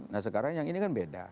nah sekarang yang ini kan beda